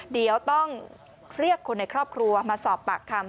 เดี๋ยวต้องเรียกคนในครอบครัวมาสอบปากคำ